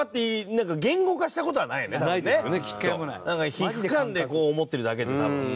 皮膚感で思ってるだけで多分。